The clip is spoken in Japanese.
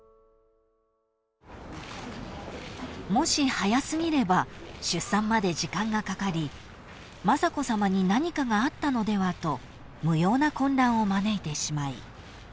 ［もし早過ぎれば出産まで時間がかかり雅子さまに何かがあったのではと無用な混乱を招いてしまい］